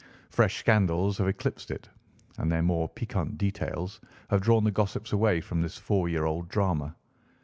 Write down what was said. Fresh scandals have eclipsed it, and their more piquant details have drawn the gossips away from this four year old drama.